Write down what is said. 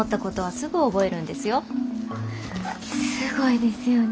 すごいですよね。